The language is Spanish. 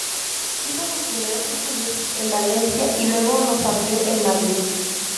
Hizo sus primeros estudios en Valencia y luego los amplió en Madrid.